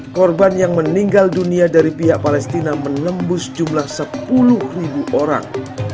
korban yang meninggal dunia dari pihak palestina menembus jumlah sepuluh orang